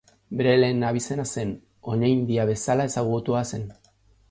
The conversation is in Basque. Bere lehen abizena zen Onaindia bezala ezagutua zen.